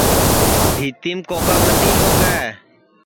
بھِیتِیم کوکا متی ٹھوکے